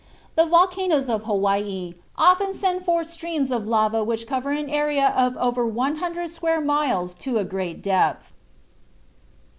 The volcanoes of Hawaii often send forth streams of lava which cover an area of over 100 square miles to a great depth.